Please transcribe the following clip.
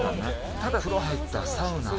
ただ風呂入ったらサウナ。